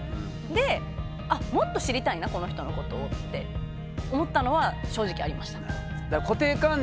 でもっと知りたいなこの人のことをって思ったのは正直ありました。